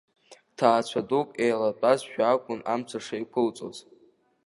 Ҭаацәа дук еилатәазшәа акәын амца шеиқәылҵоз.